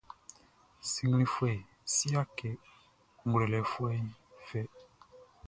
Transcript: Siglifoué siâkê nʼglwêlêfoué fɛ.